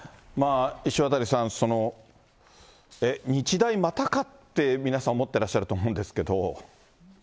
石渡さん、日大、またかって、皆さん思ってらっしゃると思うんですけど。